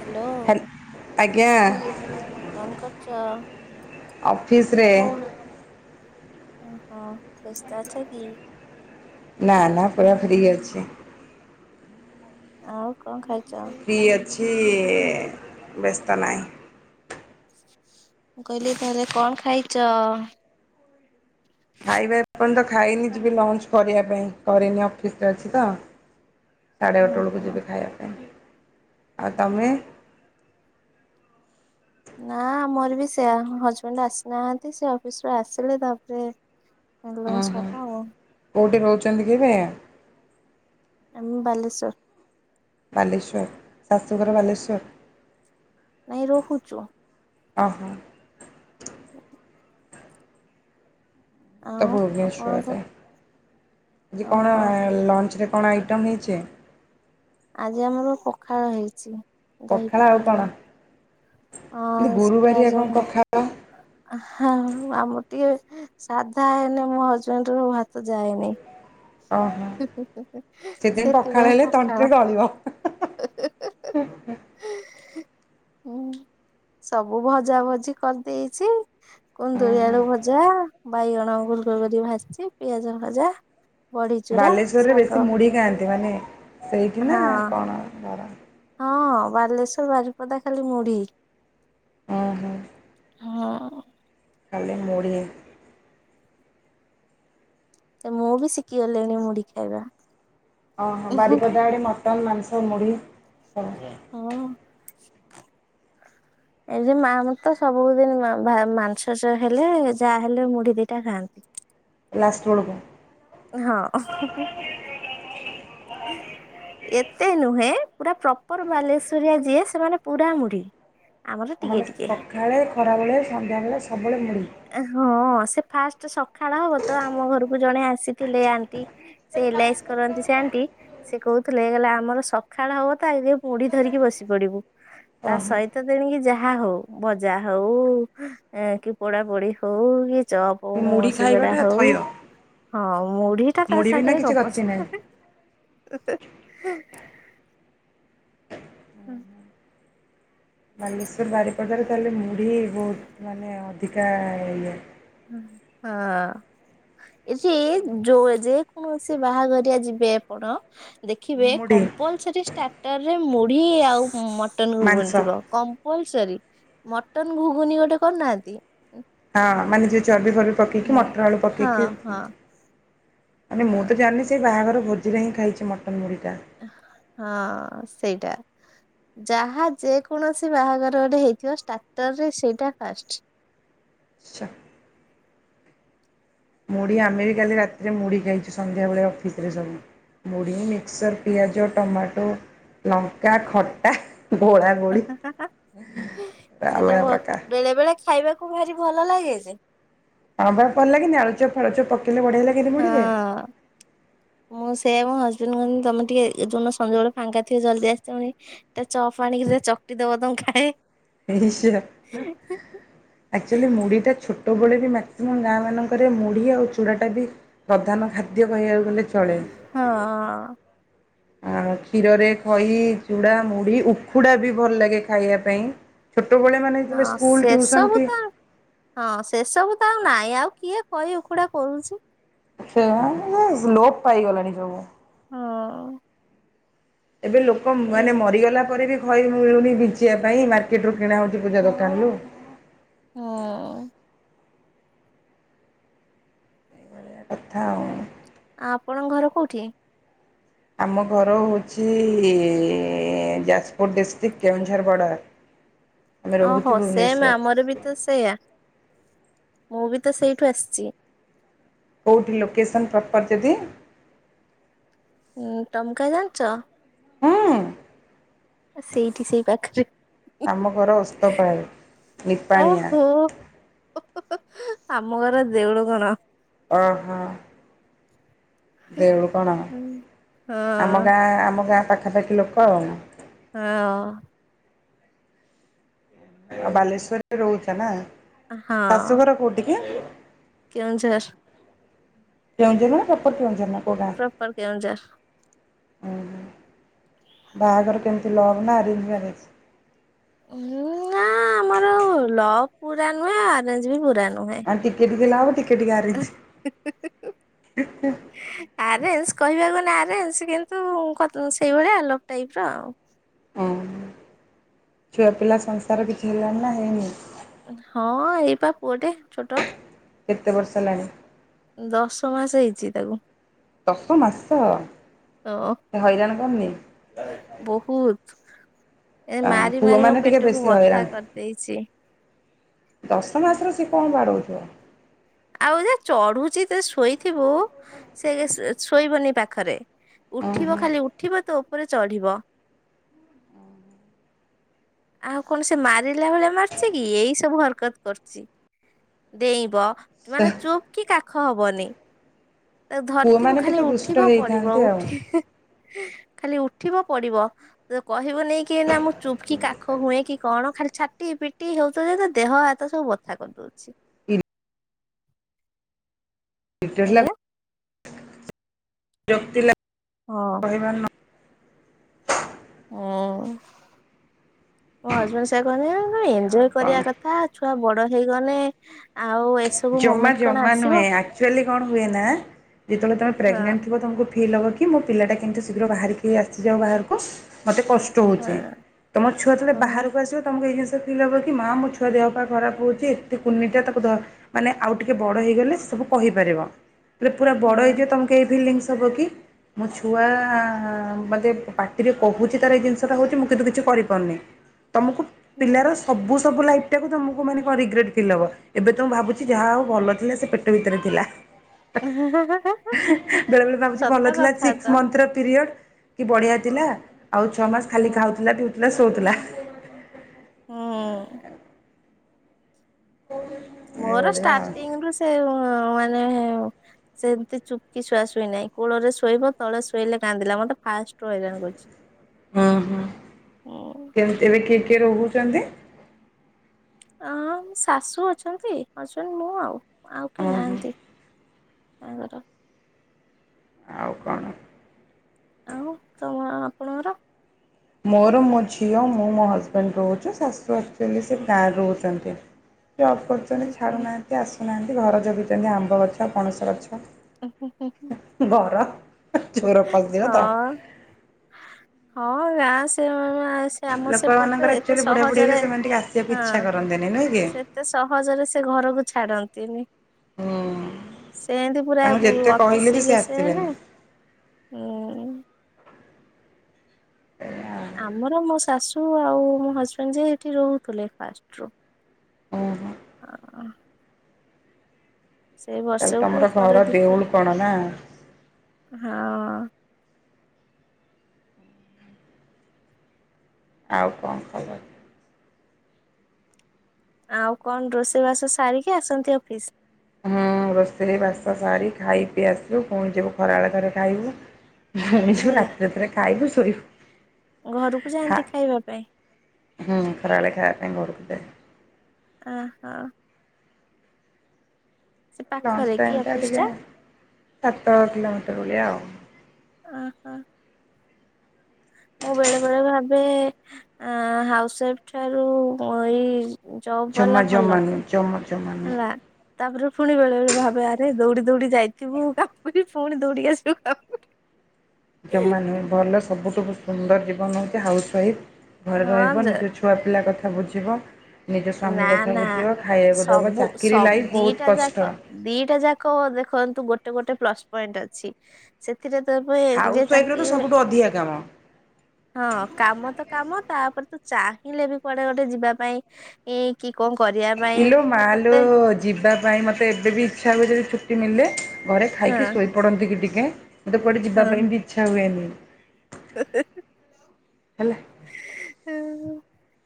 Hello. Hello ଆଜ୍ଞା। କଣ କରୁଛ? ଅଫିସ ରେ। ଓହୋ ବ୍ୟସ୍ତ ଅଛ କି? ନା ନା ପୁରା ଫ୍ରି ଅଛି। ଆଉ କଣ ଖାଇଛ? କିଛିଇଇ ବ୍ୟସ୍ତ ନାହିଁ। ମୁଁ କହିଲି ତାହଲେ କଣ ଖାଇଛଅଅ? ଖାଇବା ଏପର୍ଯ୍ୟନ୍ତ ଖାଇନି ଯିବି ଲଞ୍ଚ୍ କରିବା ପାଇଁ କରିନି ଅଫିସରେ ଅଛି ତ। ସାଢେ ଆଠଟା ବେଳକୁ ଓହୋ। ଯିବି ଖାଇବା ପାଇଁ। ଆଉ ତମେ? ନା ଆମର ବି ସେଇଆ ହଜବେଣ୍ଡ ଆସିନାହାନ୍ତି ସେ ଅଫିସରୁ ଆସିଲେ ତାପରେ ହୁଁ ଲଞ୍ଚ ହୁଁ ହବ ଆଉ କୋଉଠି ରହୁ [unintelligible] ଏବେ? ଆମେ ବାଲେଶ୍ଵର। ବାଲେଶ୍ଵର ଶାଶୁଘର ବାଲେଶ୍ବର? ନାଇଁ ରହୁଛୁ। ଓହୋଃ। ତ ଆଉ ଆପଣଙ୍କ ଭୁବନେଶ୍ଵରରେ ଯେ କଣ ଓହୋ ଲଞ୍ଚରେ? କଣ ଆଇଟମ୍ ହେଇଛି? ଆଜି ଆମର ପଖାଳ ହେଇଛି। ଦହି ଆଉ କଣ? ପଖାଳ ଏମିତି ଆଁସ୍ ଗୁରୁବାରିଆ ପିଆଜ କଣ ଭଜା। ପଖାଳ ହାଁ ଆମର ଟିକେ ସାଧା ହେଲେ ମୋ ହଜବେଣ୍ଡର ଭାତ ଯାଏନି। ଓହୋ। ହୁଁ ହୁଁ ହୁଁ ସେଥିପାଇଁ ପଖାଳ। [inaudible] ହେଁହେଁ ହେଁ ହେଁହେଁ। ହୁଁ ସବୁ ଭଜାଭଜି କରିଦେଇଛି କୁନ୍ଦୁରି ଆଳୁ ଭଜା ବାଇଗଣ ଗୋଲଗୋଲ ଭାଜିଛି ପିଆଜ ଭଜା। ବଢିଚୁରା ବାଲେଶ୍ଵରରେ ଶାଗ ବେଶୀ ମୁଢି ଖାଆନ୍ତି ମାନେ ସେଇ। ନା ହଁ କଣ? [inaudible] ହଁ ବାଲେଶ୍ଵର ବାାରିପଦା ଖାଲି ମୁଢି। ଓହୋଃ। ହଁ ଖାଲି ମୁଢି। ସେ ମୁଁ ବି ଶିଖି ଗଲି ମୁଢି ଖାଇବା। ଓହୋଃ ବାରିପଦା ଆଡେ ମଟନ୍ ମାଂସ। କୁ ମୁଢ଼ି। ଆଜ୍ଞା। ହ ଏ ଯେ ମା ମତ ସବୁ ଦିନ ଭା ମାଂସ ହେଲେ ଯାହା ହେଲେ ମୁଢି ଦିଟା ଖାଆନ୍ତି। ଲାଷ୍ଟ୍ ବେଳକୁ। ହଁ ହୁଁହୁଁହୁଁ। ଏତେ ନୁହେଁ ପୁରା ପ୍ରପର୍ ବାଲେଶ୍ବରିଆ ଯିଏ ସେମାନେ ପୁରା ମୁଢ଼ି। ମାନେ ସଖାଳେ ଖରାବେେଳେ ସନ୍ଧ୍ୟାବେଳେ ସବୁ ହଁ ସେ ଫାଷ୍ଟ ସଖାଳ ହବ ତ ଆମ ଘରକୁ ଜଣେ ଆସିଥିଲେ ଆଣ୍ଟି ସେ ଏଲାଇସ୍ କରନ୍ତି ସେ ଆଣ୍ଟି ସେ କହୁଥିଲେ କହିଲଲେ ଆମର ସଖାଳ ହବ ତ ଆଗେ ମୁଢ ଧରିକି ବସି ପଡିବୁ ତା ଓହୋ ସହିତ ତଣିକି ଯାହା ହଉ ବଜା ହଉ କି ପଢାପଢି ହଉ ଏ ଚପଉ ମୁଢ଼ି ଶିଗଡା ଖାଇବାଟା ଥୟ ହଉ ହଁ ମୁଢୀ ଟା ତା ମୁଢ଼ି ବିନା ସାଙ୍ଗରେ କିଛି ଗପ ଗତି ନାହିଁ। ହୁଁ। ବାଲେଶ୍ଵର ବାରିପଦାରେ ତାହେଲେ ମୁଢି ବହୁତ ମାନେ ଅଧିକା ଇଏ ହଁ ଏଠି ଯୋଉ ଯେ କୌଣସି ବାହାଘରିଆ ଯିବେ ଆପଣ ଦେଖିବେ ମୁଢ଼ି କମ୍ପଲସରଟରରେ ମୁଢି ଆଉ କଟ ହୁ ମାଂସ। ଥିବ କପଲସ ମଟନ ଘୁଗୁନି ଗୋଟେ କରୁନାହାନ୍ତି ହଁ ମାନେ ଯ ଚବି ଫବ ପି ହୁଁ ମଟର ଆ ହଁ ପକିକ ହଁ ମାନେ ମୁଁ ହଁ ତ ଜାିଲି ସେଇ ବାହାଘର ଭୋଜିରେ ହିଁ ଖାଇଛି ମଟ ହଁ ସେଇଟା ଯାହା ଯେକୌଣସି ବାହାଘରରେ ହେଇଥିବ ଷ୍ଟ୍ରାକ୍ଟରରେ ସେଇଟା ଫାଷ୍ଟ ସେ ମୁଢ ଆମେ ବି କାଲି ରାତିରେ ମୁଢ ଖାଇଛୁ ସନ୍ଧ୍ୟାବେେଳେ ଅଫିସରେ ସବୁ ମୁଢ଼ି ମିକ୍ସର୍ ପିଆଜ ଟମାଟୋ ଲଙ୍କା ଖଟା ଘୋଳା ଗୋଳି ସେଇଟା ରାମାୟଣ ବ ପ୍ରକାଶ ବେଳେ ବେଳେ ଖାଇବାକୁ ଭାରି ଭଲ ଲାଗେ ଯେ ହଁ ଭ ପିଲ ଲାଗ କିି ଆଳୁଚ ଫଳଚ ପ ଲେ ବଢେଇଲା କେତେ ମୁଡିଲେ ସେ ଏବଂ ହଜବେଣ୍ଡ କହ ତମେ ଟିକେ ଯୋଉନ ସଞ୍ଜବେଡ ଫାଙ୍କା ିବ ଜଲଦି ଆସିିବଣି ତା ଚପ ଆଣିକି ଚକଟିି ଦବ ତମକୁ ଖାଏ ଚୁଆଲି ମୁଢି ଟା ଛୋଟ ବ ବି ମ ଆ ଗାଁ ମାନଙ୍କରେ ମୁଢି ଆଉ ଚୂଡ଼ା ଟା ବି ପ୍ରଧାନ ଖାଦ୍ୟ କହିବାକୁ ଗଲେ ହଁ ଆ କ୍ଷୀରରେ ଖଇ ଚୁଡ଼ା ମୁଢ ଉଖୁଡ଼ା ବି ଭଲ ଲାଗେ ଖାଇବା ପାଇଁ ଛୋଟବେଳେ ମାନେ ଯେତେବେଳେ ହଁ ସ୍କୁଲ ଟିଉସନ ସେସବୁ କି ତ ହଁ ସେସବୁ ତ ଆଉ ନାଇଁ ଆଉ କିଏ ହଇ ଉକୁଡା କରୁଛି ସେ ଲୋପ ପାଇଗଲାଣି ସବୁ ହଁ ଏବେ ଲୋକ ଏ ମାନେ ମରିଗଲା ପରେ ବି ଖ ମିଳୁନି ବିଚିବା ପାଇଁ ମାର୍କେଟ ରୁ କିଣା ହଉଛି ପୂଜା ଦୋକାନରୁୁ ହଁ ବଳିଆ କଥା ଆଉ ଆପଣଙ୍କ ଘର କୋଉଠି? ଆମ ଘର ହେଉଛି ଯାଜପୁର ଡିଷ୍ଟ୍ରିକ୍ଟ କେଉଁଝର ବଡ଼ା। ଓହୋ ସେମ୍ ଆମର ବି ତ ସେଇଆ। ମୁଁ ବି ତ ସେଇଠୁ ଆସିଛି। କୋଉଠି ଲୋକେସନ୍ ପ୍ରପର ଯଦି ହୁଁ ଟମ୍କା ଜାଣିଛ? ହୁଁ। ସେଇଠି ସେଇ ପାଖରେ। ଆମ ଘର ଓସ୍ତପାଳ ନିପାଣିଆ। ଓହୋ ଆମ ଘର ଦେଉଳୁ କଣ। ଅ ହ। ଦେଉଳୁ କଣ ଆମ ହଁ ଗାଁ ଆମ ଗାଁ ପାଖାପାଖି ଲୋକ ଆଉ। ହଁ। ଆଉ ବାଲେଶ୍ଵରରେ ରହୁଛ ନା? ଶାଶୁଘର କୋଉଠି କି? କେଉଁଝର୍। କେଉଁଝର ନା ସେପଟ କେଉଁଝର? ପ୍ରପର କେଉଁଝର। ଓ ବାହାଘର କେମିତି ଲଭ୍ ନା ଆରେଞ୍ଜ ବମ୍ୟାରେଜ୍? ନା ଆମର ଲଭ୍ ପୁରା ନୁହେଁ ଅରେଞ୍ଜ ବି ପୁରା ନୁ ଆଣ୍ଟି କେଡି ଗିଲାଅ ନ୍ତି? ଆରେସ୍ କହିବାକୁ ଗଲେ ଆ ସ୍ କିନ୍ତୁ ସେଇଭଳିଆ ଆଲୋକ ଟାଇପ ର ଆଉ। ହୋଉ ଛୁଆ ପିଲା ସଂସାର କିଛି ହେଲାଣି ନା ହେଇନି? ହଁ ଏଇ ପା ପୁଅଟେ ଛୋଟ। କେତେ ବର୍ଷ ହେଲାଣି? ଦଶ ମାସ ହେଇଛି ତାକୁ ଦଶ ମାସ ଅ ସେ ହଇରାଣ କରୁନି ବହୁତ। ଏ ମାରି ମାରି ମୋ ପୁଅମାନେ ଟିକେ ପେଟକୁ ବେଶୀ ବଥା ହଇରାଣ କରିଦେଇଛି। ଦଶ ମାସର ସିଏ କଣ ବାଡଉ [unintelligible] ଆଉ ଯା ଚଢୁଛି ତ ଶୋଇଥିବୁ ସେ ଶୋଇବନି ପାଖରେ। ଉଠିବ ଓହୋ ଖାଲି ଉଠିବ ତ ଉପରେ ଚଢ଼ିବ। ଆଉ କଣ ସେ ମାରିଲା ଭଳିଆ ମାରୁଛି କି ଏଇ ସବୁ ହରକତ କରୁଛି ଡେଇଁବ ମାନେ ଚୁପ କି କାଖ ଖ ହବନି। ଧରିଥିବୁ ପୁଅମାନେ ଖାଲି ଟିକେ ଦୁଷ୍ଟ ଉଠିବ ପଡିବ ହେଇଥାନ୍ତି ଉଠି ଆଉ ଖାଲି ଉଠିବ ପଡିବ କହିବନି, କି ଏନା ମୁଁ ଚୁପକି କାଖ ହୁଏ କି କଣ ଖାଲି ଛାଟି ପିଟି ହେଉଥାଏ ଯେ ଦେହ ହାତ ସବୁ ବଥା କରିଦଉଛି। ଆଜ୍ଞା [unintelligible] ବିରକ୍ତି ହଁ। ଲାଗ କହିଵାର ନ ହୁଁ ମୋ ହଜବେଣ୍ଡ ସେଆ କହନ୍ତି। ଏଇଆ ଏନଜୋଏ ଆଉ କରିବା କଣ କଥା ଛୁଆ ବଡ ହେଇଗନେ। ଜମା ଜମା ନୁହେ। ଏକଚାଲି କଣ ହୁଏ ନା ଯେତେବେଳେ ତମେ ହଁ ପ୍ରେଗନେଣ୍ଟ ଥିବ ତମକୁ ଫିଲ୍ ହେବ କି ମୋ ପିଲାଟା କିନ୍ତିୁ ଶୀଘ୍ର ବାହାରିକି ଆସିଯାଉ ବାହାରକୁ ମୋତେ କଷ୍ଟ ହେଉଚେ ହଁ ତମ ଛୁଆ ଯେତେବେଳେ ହଁ ବାହାରକୁ ଆସିବ ତମକୁ ଫିଲ୍ ହେବକି ମା ମୋ ଛୁଆ ଦେହ ପାଇଁ ଖରାପ ହଉଛି। ଏତେ କୁନି ଟା ତାକୁ ଧର ମାନେ ଆଉ ଟିକେ ବଡ଼ ହେଇଗଲେ ସବୁ କହିପାରିବ। ପୁରା ବଡ ହେଇଯିବ। ତମକୁ ଏଇ ଫିଲିଙ୍ଗସ ହେବକି, ମୋ ଛୁଆ ବାଗେ ପାଟିରେ କହୁଛି ତାର ଏ ଜିନିଷଟା ହେଉଛି। ମୁଁ କିନ୍ତୁ କିଛି କରିପାରୁନି। ତମକୁ ପିଲାର ସବୁ ସବୁ ଲାଇଫଟାକୁ ତମକୁ ମାନେ ରିଗ୍ରେଟେ ଫିଲ ହେବ ଏବେ ତମେ ଭାବୁ ଯାହା ଆଉ ଭଲ ଥିଲା ସେ ପେଟ ଭିତରେ ଥିଲା। ହଁ। ବେଳେ ବଳେ ଭାବୁଛି ଭଲ ସତ ଥିଲା କଥା ସିକ୍ସ ତ ମଂଥର ପିରିଅଡ କି ବଢିଆ ଥିଲା। ଆଉ ଛଅ ମାସ ଖାଲି ହୁଁ ଖାଉଥିଲା ପିଉଥିଲା ଶଉଥିଲା। ହଁ। ମୋର ଏଇଭଳିଆ ଆଉ। ଷ୍ଟାଟିଙ୍ଗ ରୁ ସେ ହଁ ମାନେ ସେମିତି ଚୁପକି ଛୁଆ ଶୁଇନାହିଁ। କୂଳରେ ଶୋଇବ ତଳେ ଶୋଇଲେ କାନ୍ଦିଲା ମୋଟେ ଫାଷ୍ଟ ହଇରାଣ କରଛି। ହଁ ହଁ କେମିତି ଏବେ କି କିଏ ରହୁଛନ୍ତି। ଅ ଶାଶୁ ଅଛନ୍ତି ଅଛନ୍ ମୁଁ ଆଉ। ଆଉ କିଏ ଓହୋ। ନାହାନ୍ତି। ଆଙ୍କର। ଆଉ କଣ। ଆଉ ତମ ଆପଣଙ୍କର। ମୋର ମୋ ଝିଅ ମୁଁ ମୋ ହଜବେଣ୍ଡ ରହୁଛୁ ଶାଶୁ ଏକଚଲି ସେ ଗାଁରେ ରହୁଛନ୍ତି। ଜବ କରୁଛନ୍ତି ଛାଡ଼ୁ ନାହାନ୍ତି ଆସ ନାହାନ୍ତି ଘର ଜଗିଛନ୍ତି। ଆମ୍ବ ଗଛ ପଣସ ଗଛ ଘର [unintelligible] ଚୋର ପସିଯିବ ତ। ହଁ ହଁ ନାଁ ସେଇଭଳିଆ। ନା ସେ ଆମ ସେପଟରେ ଲୋକମାନଙ୍କର ଏତେ ଆକ୍ଚୁଆଲି ବୁଢ଼ା ବୁଢ଼ୀ ହେଲେ ସହଜରେ ସେମାନେ ଟିକେ ଆସିବାକୁ ହଁ ଇଚ୍ଛା କରନ୍ତିନି ନୁହେଁ କି? ସେ ଏତେ ସହଜରେ ସେ ଘରକୁ ଛାଡନ୍ତିନି। ହୁଁ ସେମିତି ପୁରା ତାଙ୍କୁ ବୁ ଯେତେ ଅତି କହିଲେ ବି ସେ ଶିରିଏସ୍ ହେନେ ଆସିବେନି। ହୁଁ। ଆମର ମୋ ଶାଶୁ ଆଉ ମୋ ହଜବେଣ୍ଡ ଯାଇ ଏଠି ରହୁଥିଲେ ଫାଷ୍ଟରୁ। ଉଁ ହୁଁ। ଆଃ। ସେ ତାହେଲେ ବର୍ଷକୁ ତମର ଘର ଥରେ ଦେଉଳ ଦିଥର କଣ ନା ହଁ। ଆଉ କଣ ଖବର? ଆଉ କଣ ରୋଷେଇ ବାସ ସାରିକି ଆସନ୍ତି ଅଫିସ? ହଁ ରୋଷେଇ ବାସ ସାରି ଖାଇ ପିଇ ଆସିବୁ ଫୁଣି ଯିବୁ ଖରାବେଳେ ଘଥରେ ଖାଇବୁ। ଯିବୁ ଘରେ। ରାତି ରାତିରେ ଖାଇଲୁ ଥୋଉ ଘରକୁ ଖା ଯାଆନ୍ତି ଖାଇବା ପାଇଁ ହୁଁ ଖରାବେଳେ ଖାଇବା ପାଇଁ ଘରୁକୁ ଏ ଅ ହ। ଲଞ୍ଚ ପାଖରେ କି ଟାଇମ୍ ଟା ଅଫିସ୍ ଟିକେ ସାତ କିଲୋମିଟର ଭଳିଆ ଆଉ। ଅ ହ। ମୁଁ ବେଳେ ବେଳେ ଭାବେ ଅଁ ହାଉସ ୱାଇଫ୍ ଠାରୁ ଏଇ ଜବ୍ ବାଲା ଜମା ଭଲ। ଜମା ନୁହେଁ ଜମା ଜମା ନୁହେଁ ହେଲା। ତାପରେ ପୁଣି ବେଳେ ବେଳେ ଭାବେ ଆରେ ଦୌଡି ଦୌଡି ଯାଇଥିବୁ କାମ୍ କରି ପୁଣି ଦୌଡି ଆସିବୁ କାମ ଜମା ନୁହେଁ ଭଲ ସବୁଠୁ ସୁନ୍ଦର ଜୀବନ ହଉଚି ହାଉସୱାଇଫ୍। ଘରେ ହଁ ରହିବ ଯେ ନିଜ ଛୁଆ ପିଲା କଥା ଥା ବୁଝିବ ନିଜ ସ୍ୱାମୀ ନା କଥା ନା ବୁଝିବ ଖାଇବାକୁ ଦେବ ସବୁ ଚାକିରି ଲାଇଫ୍ ସବ ବହୁତ ଦିଟା କଷ୍ଟ ଯାକ ଦିଟା ଯାକ ଦେଖନ୍ତୁ ଗୋଟେ ଗୋଟେ ପ୍ଲସ୍ ପଏଣ୍ଟ ଅଛି ସେ ସେଥିରେ ତ ପାଇଁ ଯେ ହାଉସ୍ ୱାଇଫ୍ର ତ ଚାକିରି ସବୁଠୁ ଅଧିକା କାମ ହଁ କାମ ତ କାମ ତାପରେ ତ ଚାହିଁଲେ ବି କୁଆଡେ ଗୋଟେ ଯିବା ପାଇଁ ଏ କି କଣ କରିବା ପାଇଁ ଇଲୋ ମାଲୋ ତତେ ଜିିବା ପାଇଁ ମ ଏବେ ବି ଇଚ୍ଛା ହୁଏ ଯଦି ଛୁଟି ମିଳିଲେ ଘରେ ହଁ ଖାଇକି ଶୋଇ ପଡନ୍ତି କି ଟି ଆଜ୍ଞା। ମତେ କୁଆଡ଼େ ଯିବା ପାଇଁ ହଁ। ବି ଇଛା ହୁଏନି। ହେଲା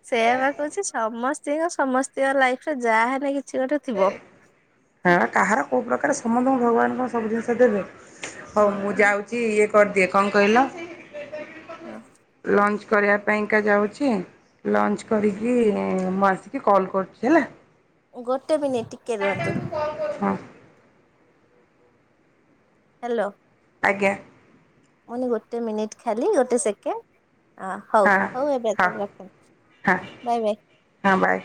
ସେଇଆ ପା କହୁଚି ସମସ୍ତେ ଦେଖିବ ସମସ୍ତଙ୍କ ଲାଇଫ ରେ ଯାହା ହେଲେ କି ହଁ କାହାର କୋଉ ପ୍ରକାର। ସମସ୍ତଙ୍କୁ ଭଗବାନଙ୍କର ସବୁ ଜିନିଷ ଦେବେ। ହଉ ମୁଁ ହଁ ଯାଉଚି। କରିଦିଏ କଣ କହିଲ? ଲଞ୍ଚ। କରିବା ପାଇଁକା ଯାଉଛି ଲଞ୍ଚ କରିକିରି ମୁଁ ଆସିକି କଲ୍ କରୁଛି ହେଲା। [unintelligible] ଗୋଟେ ମିନିଟ୍ ଟିକେ ରୁହନ୍ତୁ। ହଁ ହ୍ୟାଲୋ। ଆଜ୍ଞା। ମୁଁ କହିଲି ଗୋଟେ ମିନିଟ୍ ଖାଲି ଗୋଟେ ସେକେଣ୍ଡ ଅ ହଉ ହଁ ହଉ ଏବେ ହଁ ତାହାଲେ ରଖନ୍ତୁ ହଁ ହଉ ବାଏ ବାଏ। ହଁ ବାଏ